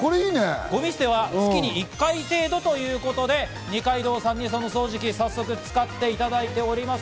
ゴミ捨ては月に１回程度ということで二階堂さんにその掃除機、早速使っていただいております。